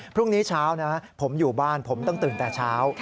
พรุ่งนี้เช้านะผมอยู่บ้านผมต้องตื่นแต่เช้า